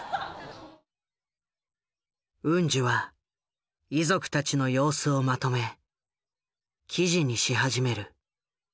ウンジュは遺族たちの様子をまとめ記事にし始める。